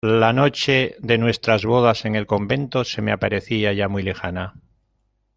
la noche de nuestras bodas en el convento se me aparecía ya muy lejana